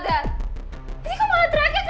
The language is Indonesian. daddy tega banget sih